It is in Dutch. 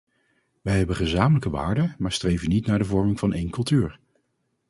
Wij hebben gezamenlijke waarden, maar streven niet naar de vorming van één cultuur.